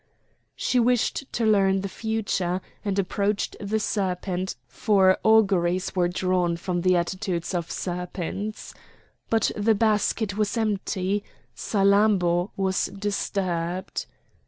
She wished to learn the future, and approached the serpent, for auguries were drawn from the attitudes of serpents. But the basket was empty; Salammbô was disturbed.